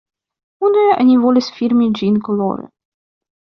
Unue oni volis filmi ĝin kolore.